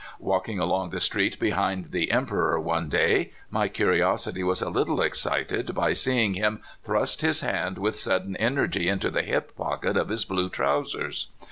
Walking along the street behind the Emperor one day, my curiosity was a little excited by see ing him thrust his hand with sudden energy into the hip pocket of his blue trousers.